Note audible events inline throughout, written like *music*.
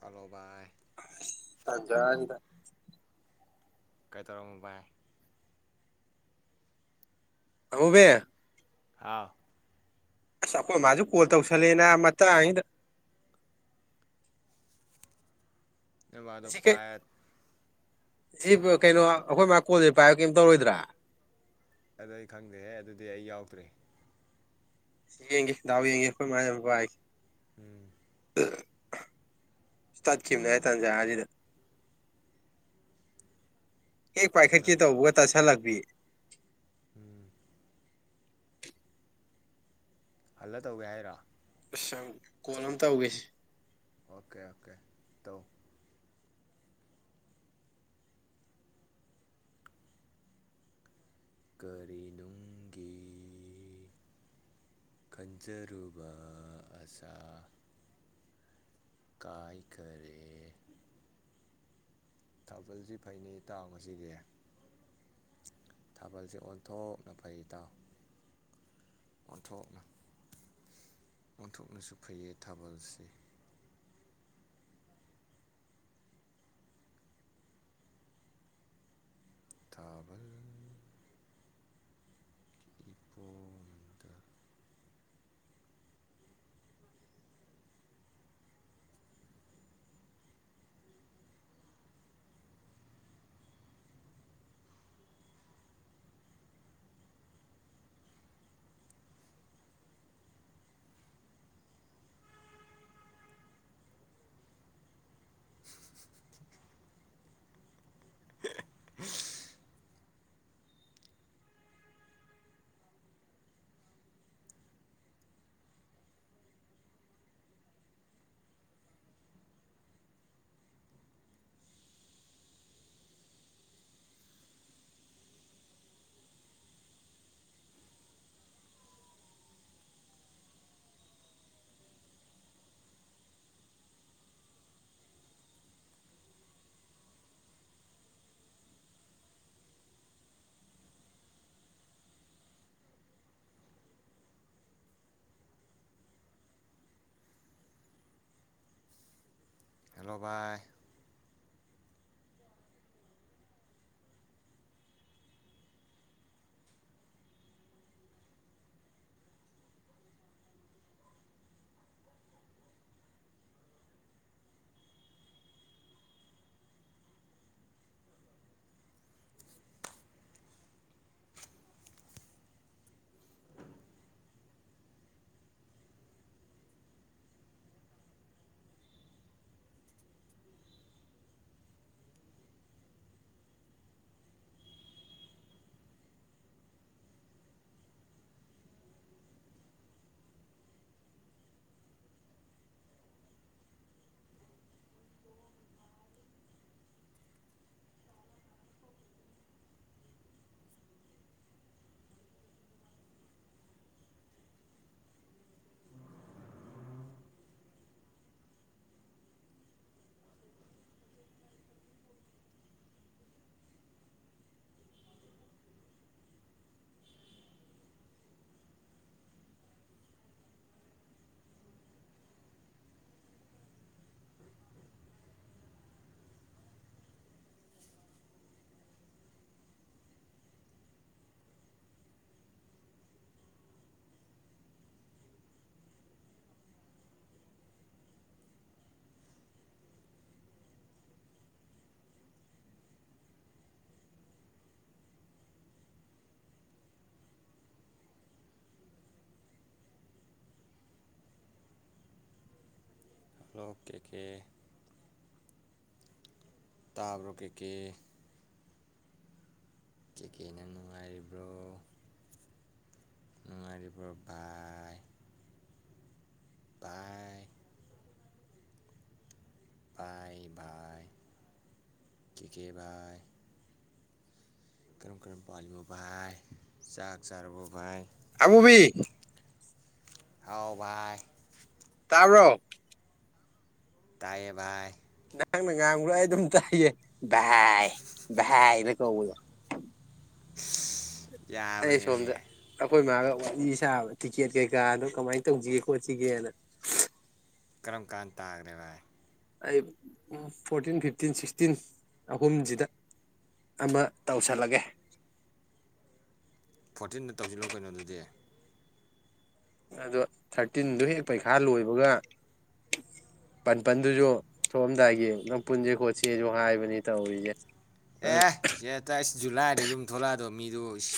Hello ꯚꯥꯏ ꯇꯟꯖꯥꯁꯤꯗ ꯀꯩ ꯇꯧꯔꯝꯃꯤꯅ‌ꯣ ꯕꯥꯏ ꯑꯃꯨꯕꯤ ꯍꯥꯥꯎ ꯑꯁ ꯑꯩꯈꯣꯏ ꯃꯥꯁꯨ ꯀꯣꯜ ꯇꯧꯁꯜꯂꯦꯅ ꯃꯇꯥꯡꯁꯤꯗ ꯅ‌ꯣꯏꯃꯥꯗꯣ ꯁꯤ ꯄꯥꯏ ꯁꯤ ꯀꯩꯅꯣ ꯑꯩꯈꯣꯏ ꯃꯥ ꯀꯣꯟꯜꯁꯦ ꯄꯥꯏ ꯀꯩꯝ ꯇꯧꯔꯣꯏꯗ꯭ꯔꯥ ꯑꯗꯨ ꯑꯩ ꯈꯪꯗꯦꯍꯦ ꯑꯗꯨꯗꯤ ꯑꯩ ꯌꯥꯎꯗ꯭ꯔꯦ ꯁꯤ ꯌꯦꯡꯒ‌ꯦ ꯗꯥꯎ ꯌꯦꯡꯦ ꯑꯩꯈ‌ꯣꯏ ꯃꯥꯏꯖ‌ꯦ ꯑꯝꯇ ꯄꯥꯏꯒ‌ꯦ ꯎꯝ *unintelligible* ꯇꯠꯈꯤꯕꯅꯦ ꯍꯥꯏꯇꯟꯖꯥꯁꯤꯗ ꯍ‌ꯦꯛ ꯄꯥꯏꯈꯠꯀ‌ꯦ ꯇꯧꯕꯒ ꯇꯛꯁꯤꯜꯂꯛ ꯨ *unintelligible* ꯎꯝ ꯍꯜꯂ ꯇꯧꯒꯦ ꯍꯥꯏꯔ ꯑꯁ ꯀꯣꯜ ꯑꯃ ꯇꯧꯒꯦꯁ‌ꯦ ꯑꯣꯀꯦ ꯑꯣꯀꯦ ꯇꯧ ꯀꯔꯤꯅꯨꯡꯒꯤ ꯈꯟꯖꯔꯨꯕ ꯑꯁꯥ ꯀꯥꯏꯈꯥꯔꯦ ꯊꯥꯕꯜꯁꯤ ꯐꯩꯅꯤ ꯏꯇꯥꯎ ꯉꯁꯤꯗꯤ ꯊꯥꯕꯜꯁ‌ꯦ ꯑꯣꯟꯊꯣꯛꯅ ꯐꯩ ꯏꯇꯥꯎ ꯑꯣꯟꯊꯣꯛꯅ ꯑꯣꯟꯊꯣꯛꯅꯁꯨ ꯐꯩꯌꯦ ꯊꯥꯕꯜꯁꯦ ꯊꯥꯕꯜ ꯏꯄꯣꯝꯗ ꯍꯜꯂꯣ ꯚꯥꯏ ꯑꯣꯀꯦꯀꯦ ꯇꯥꯕ꯭ꯔꯣ ꯀꯩ ꯀꯦ ꯀꯦꯀꯦꯅꯪ ꯅꯨꯡꯉꯥꯏꯔꯤꯕ꯭ꯔꯣ ꯔꯤ ꯄ꯭ꯔꯚꯥꯏ ꯕꯥꯏ ꯚꯥꯏ ꯚꯥꯏ ꯀ ꯀꯦ ꯚꯥꯏ ꯀꯔꯝ ꯀꯔꯝꯕ ꯄꯥꯜꯂꯤꯕꯚꯥꯏ ꯆꯥꯛ ꯆꯥꯔꯨꯔꯕ ꯚꯥꯏ ꯑꯃꯨꯕꯤ ꯍꯥꯎ ꯚꯥꯏ *unintelligible* ꯇꯥꯏꯌꯦꯚꯥꯏ ꯅꯍꯥꯛꯅ ꯉꯥꯡꯕ꯭ꯔꯥ ꯑꯩ ꯑꯗꯨꯝ ꯇꯥꯏꯌꯦ ꯥꯚꯥꯏ ꯚꯥꯏꯅ ꯇꯧꯕꯗ‌ꯣ ꯑꯩ ꯁꯣꯝꯗ ꯌꯥꯕꯅꯦꯃꯤ ꯑꯩꯈꯣꯏ ꯃꯥꯒ ꯋꯥꯔꯤꯁꯥꯕ ꯇꯤꯛꯀꯦꯠ ꯀꯩꯀꯥꯗꯣ ꯀꯃꯥꯏꯅ ꯇꯧꯁꯤꯒꯦ ꯈꯣꯠꯁꯤꯒꯦꯅ ꯀꯔꯝ ꯀꯥꯟ ꯇꯥꯈ꯭ꯔꯦ ꯚꯥꯏ ꯑꯩ ꯎꯝ ꯐꯣꯔꯇꯤꯟ ꯐꯤꯞꯇꯤꯟ ꯁꯤꯛꯁꯇꯤꯟ ꯑꯍꯨꯝꯁꯤꯗ ꯑꯃ ꯇꯧꯁꯜꯂꯒꯦ꯫ ꯐꯣꯔꯇꯤꯟꯗ ꯇꯧꯁꯤꯜꯂꯣ ꯀꯩꯅꯣ ꯑꯗꯨꯗꯤ ꯑꯗꯣ ꯊꯥꯔꯇꯤꯟꯗꯣ ꯍꯦꯛ ꯄꯩꯈꯥ ꯂꯣꯏꯕꯒ ꯄꯄꯜꯗꯨꯁꯨ ꯊꯣꯛꯣꯛꯑꯝꯗꯥꯏꯒꯤ ꯅꯪ ꯄꯨꯟꯁꯦ ꯈꯣꯠꯁꯦꯁꯨ ꯍꯥꯏꯕꯅꯤ ꯇꯧꯔꯤꯁꯦ ꯑꯦ ꯁꯤꯇꯥꯏꯁ ꯖꯨꯂꯥꯏꯗ ꯌꯨꯝ ꯊꯣꯛꯂꯛꯑ ꯗꯣꯃꯤꯗꯨꯁ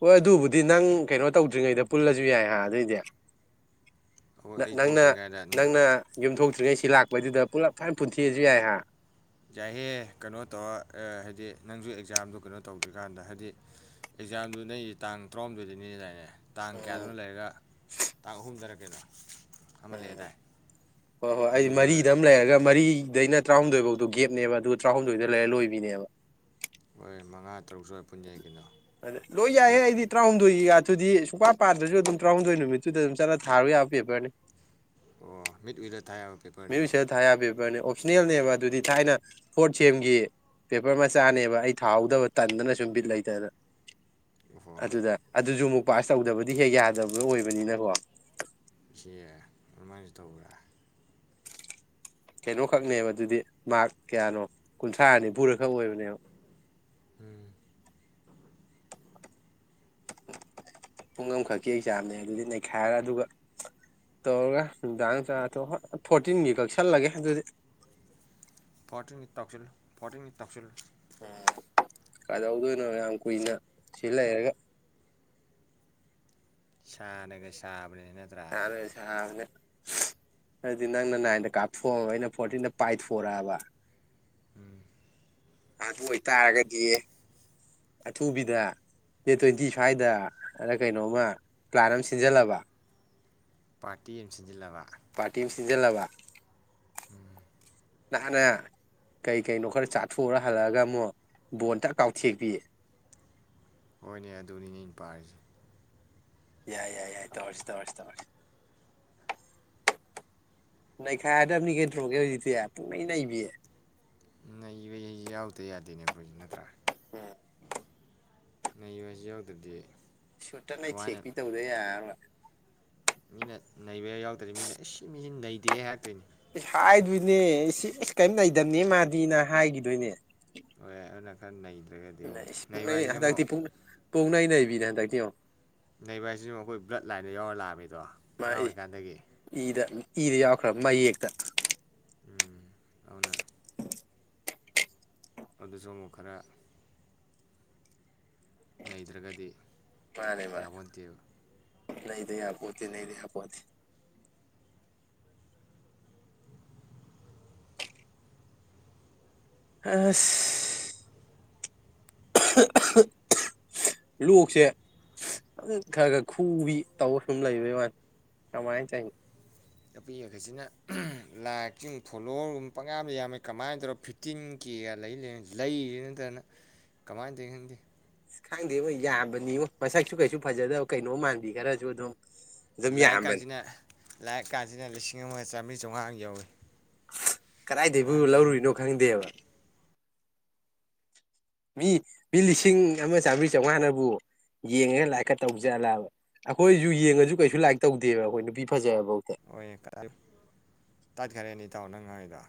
ꯍꯣꯏ ꯑꯗꯨꯕꯨꯗꯤ ꯅꯪ ꯀꯩꯅꯣ ꯇꯧꯗ꯭ꯔꯤꯉꯩꯗ ꯄꯨꯜꯂꯁꯨ ꯌꯥꯏ ꯍꯥ ꯑꯗꯨꯏꯗꯤ ꯑꯩꯈꯣꯏ ꯅꯥ ꯑꯩ ꯅꯪꯅ ꯊꯣꯛꯇ꯭ꯔꯤꯉꯩꯗ ꯎꯝ ꯅꯪꯅ ꯌꯨꯝꯊꯣꯛꯇ꯭ꯔꯤ *unintelligible* ꯁꯤ ꯂꯥꯛꯄꯁꯤꯗ ꯄꯨꯂꯞ ꯈꯔ ꯌꯥꯝ ꯄꯨꯟꯊꯦꯛ ꯑꯁꯨ ꯌꯥꯏ ꯍꯥ꯫ ꯌꯥꯏꯍꯦ ꯀꯅꯣ ꯇꯧꯔ ꯑꯥ ꯍꯥꯏꯗꯤ ꯅꯪꯖꯨ ꯑꯦꯛꯖꯥꯝꯗꯨ ꯀꯩꯅꯣ ꯇꯧꯗ꯭ꯔꯤꯀꯥꯟꯗ ꯍꯥꯏꯗꯤ ꯑꯦꯛꯖꯥꯝꯗꯨ ꯅꯩ ꯇꯥꯡ ꯇꯔꯥꯍꯨꯝꯗꯣꯏꯗꯩꯅꯦ ꯗꯥꯏꯅꯦ꯫ ꯇꯥꯡ ꯀꯌꯥꯗꯨꯅ ꯂꯩꯔꯒ ꯇꯥꯡ ꯑꯍꯨꯝꯗꯔ ꯑꯗꯨꯅꯣ ꯎꯝ ꯍꯣꯏ ꯍꯣꯏ ꯑꯩ ꯑꯗꯨ ꯂꯣꯏꯔ ꯃꯔꯤꯗ ꯑꯃ ꯂꯩꯔꯒ ꯃꯔꯤꯗꯩꯅ ꯇꯔꯥꯍꯨꯝꯗꯣꯏꯐꯧꯗꯣ ꯒꯦꯞꯅꯦꯕ ꯑꯗꯨꯒ ꯇꯔꯥꯍꯨꯝꯗꯣꯏꯗ ꯂꯩꯔ ꯂꯣꯏꯕꯤꯅꯦꯕ ꯍꯣꯏ ꯃꯉꯥ ꯇꯔꯨꯛ ꯁꯋꯥꯏ ꯄꯨꯟꯖꯩ ꯀꯩꯅꯣ ꯑꯗ ꯂꯣꯏꯦ ꯃꯠ ꯏ ꯇ꯭ꯔ ꯑꯗꯨꯗꯤ ꯁꯨꯡꯄꯥꯟ ꯄꯥꯟꯗ꯭ꯔꯁꯨ ꯑꯗꯨꯝ ꯇꯔꯥꯍꯨꯝꯗꯣꯏ ꯅꯨꯃꯤꯠꯇꯨꯗ ꯑꯗꯨꯝ ꯆꯠꯂ ꯊꯥꯔꯨ ꯌꯥꯕ ꯄꯦꯕꯔꯅꯤ ꯑꯣ ꯃꯤꯠ ꯎꯔ ꯃꯁ ꯊꯥꯏꯤꯕ ꯄꯔꯁꯅꯦꯜꯅꯦꯕ ꯑꯗꯨꯗꯤ ꯊꯥꯏꯅ ꯐꯣꯔꯠ ꯁꯦꯝꯒꯤ ꯄꯦꯄꯔ ꯃꯆꯥꯅꯦꯕ ꯑꯩ ꯊꯥꯍꯧꯗꯕ ꯇꯟꯗꯅ ꯁꯨꯝ ꯕꯤꯠ ꯂꯩꯇꯅ ꯑꯣꯍꯣ ꯑꯗꯨꯗ ꯑꯗꯨꯁꯨꯨ ꯄꯥꯁ ꯇꯧꯗꯕꯗꯤ ꯍꯦꯛ ꯌꯥꯗꯕ ꯑꯣꯏꯕꯅꯤꯅꯀꯣ ꯁꯤ ꯑꯗꯨꯃꯥꯏꯅꯁꯨ ꯇꯧꯕ꯭ꯔꯥ ꯀꯩꯅꯣꯈꯛꯅꯦꯕ ꯑꯗꯨꯗꯤ ꯃꯥꯔ ꯀꯌꯥꯅꯣ ꯀꯨꯟꯊ꯭ꯔꯥ ꯅꯤꯐꯨꯔꯈꯛ ꯑꯣꯏꯕꯅꯦꯕ ꯎꯝ ꯄꯨꯡ ꯑꯃꯈꯛꯀꯤ ꯑꯦꯛꯖꯥꯝꯅꯦ ꯑꯗꯨꯗꯤ ꯅꯩꯈꯥꯏꯔ ꯑꯗꯨꯒ ꯇꯧꯔꯒ ꯅꯨꯡꯗꯥꯡ ꯆꯥꯊꯣꯛꯑ ꯍꯣꯏ ꯐꯣꯔꯇꯤꯟꯒꯤ ꯀꯛꯁꯜꯂꯒꯦ ꯑꯗꯨꯗꯤ ꯐꯣꯔꯇꯤꯟꯒꯤ ꯇꯧꯁꯜꯂꯨ ꯐꯣꯔꯇꯤꯟꯒꯤ ꯇꯧꯁꯜꯂꯨ꯫ ꯎꯝ ꯀꯩꯗꯧꯗꯣꯏꯅꯣ ꯌꯥꯝ ꯀꯨꯏꯅ ꯁꯤ ꯂꯩꯔꯒ꯫ ꯁꯥꯅꯒ ꯁꯥꯥꯕ ꯁꯥꯅ ꯁꯥꯕꯅꯦ꯫ ꯑꯗꯤ ꯅꯪꯅ ꯅꯥꯏꯟꯗ ꯀꯥꯞꯊꯣꯛꯑꯕ ꯑꯩꯅ ꯐꯣꯔꯇꯤꯟꯗ ꯄꯥꯏꯊꯣꯔꯛꯑꯕ꯫ ꯎꯝ꯫ ꯑꯗꯨ ꯑꯣꯏꯇꯥꯔꯒꯗꯤ ꯑꯊꯨꯕꯤꯗ ꯗꯦꯠ ꯇ꯭ꯋꯦꯟꯇꯤ ꯁ꯭ꯋꯥꯏꯗ ꯑꯗ ꯀꯩꯅꯣꯝꯃ ꯄ꯭ꯂꯥꯟ ꯑꯃ ꯁꯤꯟꯖꯜꯂꯕ꯫ ꯄꯥꯔꯇꯤ ꯑꯃ ꯁꯤꯟꯖꯤꯜꯂꯕ꯫ ꯄꯥꯔꯇꯤꯝ ꯁꯤꯟꯖꯤꯜꯂꯕ꯫ ꯅꯍꯥꯟꯅ ꯀꯩꯀꯩꯅꯣ ꯈꯔ ꯆꯥꯊꯣꯎꯔ ꯍꯜꯂꯛꯑꯒ ꯑꯃꯨꯛ ꯕꯣꯟ ꯇꯛ ꯀꯥꯎꯊꯦꯛꯄꯤ꯫ ꯍꯣꯏꯅꯦ ꯑꯗꯨꯅꯤꯅꯦ ꯑꯩ ꯄꯥꯔꯤꯁꯦ꯫ ꯌꯥꯏ ꯌꯥꯏ ꯌꯥꯏ ꯇꯧꯔꯁꯤ ꯇꯧꯔꯁꯤ ꯇꯧꯔꯁꯤ ꯅꯩꯈꯥꯏꯔꯗꯝ ꯅꯤ ꯀꯩꯗ꯭ꯔꯣꯒꯦ ꯍꯧꯖꯤꯛꯇꯤ ꯄꯨꯡ ꯅꯩ ꯅꯩꯕꯤ꯫ ꯅꯩꯕꯁꯦ ꯑꯩꯁꯨ ꯌꯥꯎꯗ ꯌꯥꯗꯦꯅꯦꯕꯣꯏ ꯅꯠꯇ꯭ꯔꯥ꯫ ꯑꯝ꯫ ꯅꯩꯕꯁꯦ ꯌꯥꯎꯗ꯭ꯔꯗꯤ ꯁꯨꯇ ꯀꯃꯥꯏꯅ ꯅꯩꯊ‌ꯦꯛꯄꯤ ꯇꯧꯗ ꯌꯥꯔꯔ‌ꯣꯏ ꯃꯤꯅ ꯅꯩꯕ ꯌꯥꯎꯗ꯭ꯔꯥꯗꯤ ꯃꯤꯅ ꯑꯁ ꯑꯁꯤꯃꯤꯁꯤ ꯅꯩꯗꯦ ꯍꯥꯏꯔꯛꯇꯣꯏꯅꯤ ꯑꯁ ꯍꯥꯏꯗꯣꯏꯅꯦ ꯑꯑ ꯀꯔꯤꯝ ꯂꯩꯩꯇꯕꯅꯦ ꯃꯥꯗꯤꯅ ꯍꯥꯏꯈꯤꯗꯣꯏꯅꯦ *unintelligible* ꯈ꯭ꯔꯥ ꯅꯩ *unintelligible* ꯍꯟꯗꯠꯇꯤ ꯄꯣꯡꯅꯩ ꯅꯩ ꯕꯤꯅ‌ꯦ ꯍꯟꯗꯛꯇꯤ ꯌ‌ꯦꯡꯉ‌ꯣ ꯅꯩꯕ ꯍꯥꯏꯁꯤꯁꯨ ꯑꯩꯈꯣꯏ ꯕ꯭ꯂꯠ ꯂꯥꯏꯟꯗ ꯌꯥꯎꯔ ꯂꯥꯛꯑꯃꯤꯗꯣ ꯃꯥ ꯑꯉꯥꯡ ꯏ ꯑꯣꯏꯔꯤꯀꯥꯟꯗꯒꯤ ꯏꯗ ꯏꯗ ꯌꯥꯎꯈ꯭ꯔꯕ ꯃꯌꯦꯛꯇ ꯎꯝ ꯑꯗꯨꯅ *unintelligible* ꯑꯗꯨꯁꯨꯃꯨꯛ ꯈꯔ ꯅꯩꯗ꯭ꯔꯒꯗꯤ ꯌꯥꯕ‌ꯣꯟꯇꯦꯕ ꯌꯥꯄꯣꯟꯇ‌ꯦ ꯅꯩꯗ ꯌꯥꯄ‌ꯣꯟꯇ‌ꯦ ꯑꯁ ꯂꯣꯛꯁꯦ ꯑꯗꯨꯝ ꯈꯔ ꯈꯔ ꯈꯨꯕꯤ ꯇꯧꯔ ꯑꯗꯨꯝ ꯂꯩꯕꯩ ꯋꯥꯅꯤ ꯀꯃꯥꯏꯅ ꯇꯧꯔꯤꯅ‌ꯣ ꯅꯨꯄꯤꯃꯥꯈꯩꯁꯤꯅ ꯂꯥꯛ ꯆꯤꯡ ꯐꯣꯂꯣꯋꯔꯒꯨꯕ ꯄꯪꯌꯥꯝꯗ ꯌꯥꯝꯃꯦ ꯀꯃꯥꯏꯅ ꯇꯧꯔꯒ ꯐꯤꯐꯇꯤꯟ ꯀꯦꯒ ꯂꯩ ꯂꯩ ꯂꯩꯔꯤꯕ꯭ꯔꯥ ꯅꯠꯇꯅ ꯀꯃꯥꯏꯅ ꯇꯧꯏ ꯈꯪꯗꯦ ꯈꯪꯗꯦ ꯃꯣꯏ ꯌꯥꯕꯅꯤꯕ‌ꯣ ꯃꯁꯛꯁꯨ ꯀꯩꯁꯨ ꯐꯖꯗꯕ ꯀꯩꯅꯣ ꯃꯥꯟꯕꯤ ꯈꯔꯁꯨ ꯑꯗꯨꯝ ꯑꯗꯨꯝ ꯂꯥꯏꯛ ꯌꯥꯝꯕꯅꯤ ꯀꯁꯤꯅ ꯂꯥꯏꯛꯀꯁꯤꯅ ꯂꯤꯁꯤꯡ ꯑꯃ ꯆꯥꯝꯔꯤ ꯆꯝꯉꯥ ꯌꯧꯏ ꯀꯗꯥꯏꯗꯒꯤꯕꯨ ꯂꯧꯔꯨꯔꯤꯅꯣ ꯈꯪꯗꯦꯕ ꯃꯤ ꯃꯤ ꯂꯤꯁꯤꯡ ꯑꯃ ꯆꯥꯃꯔꯤ ꯆꯥꯝꯃꯉꯥꯅꯕꯨ ꯌꯦꯡꯉꯒ ꯂꯥꯏꯔꯤꯛꯀ ꯇꯧꯖꯂꯑꯕ ꯑꯩꯈꯣꯏꯁꯨ ꯌꯦꯡꯉꯁꯨ ꯀꯩꯁꯨ ꯂꯥꯏꯔꯤꯛ ꯇꯧꯗꯦꯕ ꯑꯩꯈꯣꯏ ꯅꯨꯄꯤ ꯐꯖꯕ ꯍꯣꯏ ꯀꯥꯏ ꯇꯥꯏꯠꯈꯔꯦꯅ‌ꯦ ꯏꯇꯥꯎ ꯅꯪꯉꯥꯡꯏꯗ‌ꯣ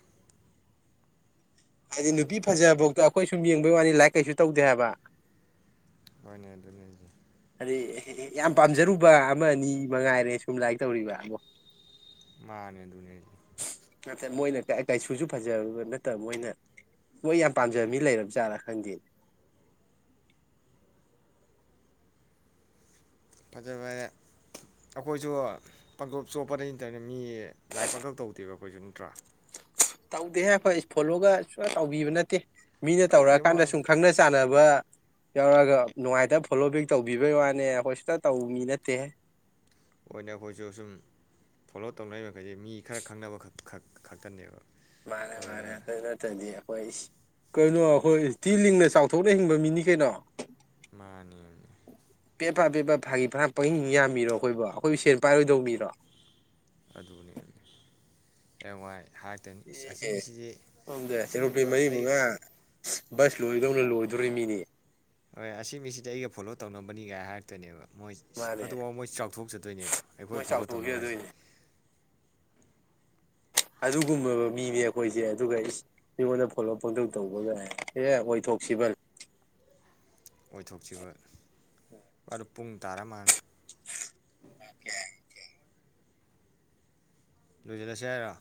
ꯍꯥꯏꯗꯤ ꯅꯨꯄꯤ ꯐꯖꯐꯥꯎꯗ ꯑꯩꯈꯣꯏ ꯁꯨꯝ ꯌꯦꯡꯕꯩ ꯋꯥꯅꯤ ꯂꯥꯏꯔꯤꯛ ꯀꯩꯁꯨ ꯇꯧꯗꯦ ꯍꯥꯏꯕ ꯃꯅꯦ ꯑꯗꯨꯅꯦꯍꯥꯏꯖꯦ ꯑ ꯑꯦꯍꯦ ꯑꯦꯍꯦ ꯌꯥꯝ ꯄꯥꯝꯖꯔꯨꯕ ꯑꯃ ꯑꯅꯤ ꯃꯉꯥꯏꯔꯦ ꯁꯨꯝ ꯂꯥꯛ ꯇꯧꯔꯤꯕ ꯑꯕꯣ ꯃꯥꯅꯦ ꯑꯗꯨꯨꯅꯦ ꯍꯥꯏꯖꯦ ꯀꯑꯥ ꯀꯩꯁꯨꯁꯨ ꯐꯖꯕ ꯅꯠꯇꯕ ꯃꯣꯏꯅ ꯃꯣꯏ ꯌꯥꯝ ꯄꯥꯝꯖꯕ ꯃꯤ ꯂꯩꯔꯕꯖꯥꯠꯅꯥ ꯈꯪꯗꯦ ꯐꯖꯕꯔꯦ ꯑꯈꯣꯏꯁꯨ ꯄꯪꯆꯣꯞ ꯆꯣꯞꯄꯗꯤ ꯅꯠꯇꯕꯅꯤ ꯃꯤ ꯂꯥꯏꯛ ꯄꯥꯡꯇꯧ ꯇꯧꯗꯦꯕ ꯈ‌ꯣꯏꯖꯨꯟ ꯅꯠꯇ꯭ꯔꯥ ꯇꯧꯗꯦꯍꯦ ꯑꯈꯣꯏ ꯏꯁ ꯐꯣꯂꯣꯒ ꯁꯨꯑ ꯇꯧꯕꯤꯕ ꯅꯠꯇꯦ ꯃꯤꯅ ꯇꯧꯗꯦ ꯇꯧꯔꯛꯑ ꯀꯥꯟꯗ ꯃꯣꯏ ꯁꯨꯝ ꯈꯪꯅ ꯆꯥꯟꯅ ꯋ ꯌꯥꯎꯔꯒ ꯅꯨꯡꯉꯥꯏꯇꯕ ꯐꯣꯂꯣ ꯕꯦꯛ ꯇꯧꯕꯤꯕꯩ ꯋꯥꯅꯦ ꯑꯈꯣꯏ ꯁꯨꯆ ꯇꯧ ꯃꯤ ꯅꯠꯇꯦꯍꯦ ꯑꯣꯏꯅ ꯑꯈꯣꯏꯁꯨ ꯁꯨꯝ ꯐꯣꯂꯣ ꯇꯧꯅꯔꯤꯕ ꯃꯈꯩꯗꯤ ꯃꯤ ꯈꯔ ꯈꯪꯅꯕꯛ ꯈꯛ ꯈꯛ ꯈꯛꯇꯅꯦꯕ ꯃꯥꯅꯦ ꯃꯥꯅꯦ ꯑꯗꯨꯗ ꯑꯗ ꯅꯠꯗꯗꯤ ꯍꯣꯏ ꯏꯁ ꯀꯩꯅꯣ ꯑꯈꯣꯏ ꯏꯁ ꯊꯤ ꯂꯤꯡꯅ ꯆꯥꯎꯊꯣꯛꯅ ꯍꯤꯡꯕ ꯃꯤꯅꯤ ꯀꯩꯅꯣ ꯃꯥꯅꯦꯃꯤ ꯄꯦꯞꯄꯥ ꯄꯦꯞꯄꯥ ꯐꯥꯒꯤ ꯐꯔꯡ ꯄꯪꯍꯤꯡ ꯌꯥꯝꯃꯤꯔꯣ ꯑꯈꯣꯏꯕꯨ ꯑꯈꯣꯏꯕꯨ ꯁꯦꯟ ꯄꯥꯏꯔꯣꯏꯗꯧꯕ ꯃꯤꯔꯣ ꯑꯗꯨꯅꯦꯃꯤ ꯍꯌꯦꯡꯋꯥꯏ ꯍꯥꯏꯔꯛꯇꯣꯏꯅꯤ ꯏꯁ ꯑꯁꯤ ꯑꯦꯍꯦ ꯃꯤꯁꯤꯗꯤ ꯁꯣꯝꯗ ꯑꯁꯤ ꯃꯤꯗꯣ ꯑꯦꯔꯣꯄ꯭ꯂꯦꯟ ꯃꯔꯤ ꯑꯩ ꯃꯉꯥ ꯕꯁ ꯂꯣꯏꯗꯧꯅ ꯂꯣꯏꯗꯧꯔꯤ ꯃꯤꯅꯦ ꯍꯣꯏ ꯑꯁꯤ ꯃꯤꯁꯤꯗꯤ ꯑꯩꯒ ꯐꯣꯂꯣ ꯇꯧꯅꯕꯅꯤꯒꯥꯏ ꯍꯥꯏꯔꯛꯇꯣꯏꯅꯦꯕ ꯃꯣꯏ ꯃꯥꯅꯦ ꯑꯗꯣ ꯃꯣꯏ ꯆꯥꯎꯊꯣꯛꯆꯗꯣꯏꯅꯦꯕ ꯑꯩꯈꯣꯏ ꯃꯣꯏ ꯐꯣꯂꯣ ꯆꯥꯎꯊꯣꯛꯈꯤ ꯇꯧꯅꯕ ꯍꯥꯏꯁꯦ ꯑꯗꯨꯏꯅꯦ ꯑꯗꯨꯒꯨꯝꯂꯕ ꯃꯤꯅꯦ ꯑꯈꯣꯏꯁꯦ ꯑꯗꯨꯒ ꯏꯁ ꯃꯤꯉꯣꯟꯗ ꯐꯣꯂꯣ ꯄꯪꯇꯧ ꯇꯧꯕꯒꯥꯏ ꯑꯦ ꯑꯣꯏꯊꯣꯛꯁꯤꯕꯜ ꯑꯣꯏꯊꯣꯛꯁꯤꯕꯜ ꯑꯗꯣ ꯄꯨꯡ ꯇꯔꯥꯃꯥꯜꯂꯦ ꯑꯣꯀꯦ ꯑꯣꯀꯦ ꯂꯣꯏꯖꯜꯂꯁꯦ ꯍꯥꯏꯔꯥ